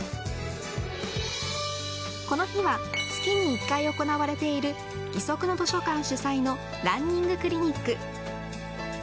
この日は月に１回行われているギソクの図書館主催のランニングクリニック。